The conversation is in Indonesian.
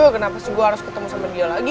kenapa sih gue harus ketemu sama dia lagi